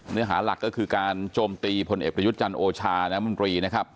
เนื้อหาหลักก็คือการโจมตีพลเอกประยุทธ์จันทร์โอชาน้ำมนตรีนะครับ